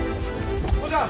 父ちゃん！